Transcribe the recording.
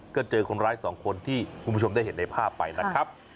ก็เจอคนร้ายสองคนที่คุณผู้ชมได้เห็นในภาพไปนะครับ